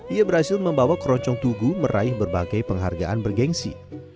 ia berhasil membawa keroncong tugu meraih berbagai penghargaan bergensi